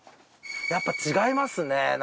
やっぱ違いますね。